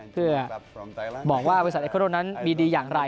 เพื่อบอกว่าบริษัทเอโคโรนั้นมีดีอย่างไร